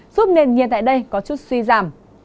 giúp nền nhiệt tại đây có chút suy giảm